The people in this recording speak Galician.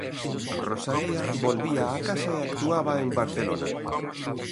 Rosalía volvía á casa e actuaba en Barcelona.